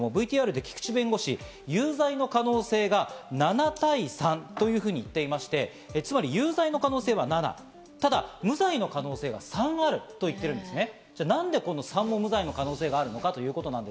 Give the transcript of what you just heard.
ＶＴＲで菊地弁護士、有罪の可能性が７対３というふうに言っていまして、つまり有罪の可能性が７、ただ無罪の可能性が３あると言ってるんですね。